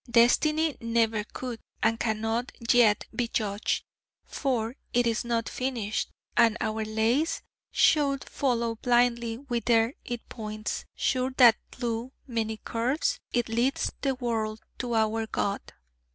Destiny never could, and cannot yet, be judged, for it is not finished: and our lace should follow blindly whither it points, sure that thlough many curves it leads the world to our God.'